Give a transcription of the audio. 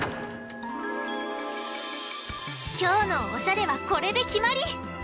きょうのおしゃれはこれできまり！